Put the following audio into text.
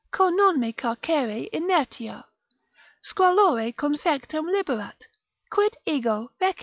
cur non me carcere, inertia, squalore confectum liberat? quid ego feci?